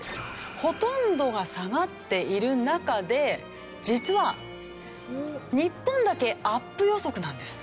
ほとんどが下がっている中で実は日本だけアップ予測なんです。